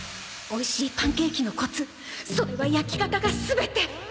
おいしいパンケーキのコツそれは焼き方が全て！